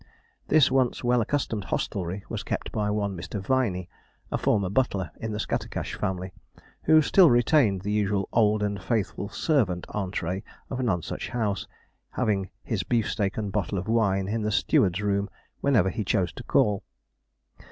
This once well accustomed hostelry was kept by one Mr. Viney, a former butler in the Scattercash family, and who still retained the usual 'old and faithful servant' entrée of Nonsuch House, having his beefsteak and bottle of wine in the steward's room whenever he chose to call.